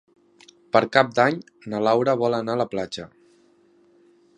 Per Cap d'Any na Laura vol anar a la platja.